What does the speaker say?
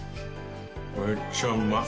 めっちゃうまい。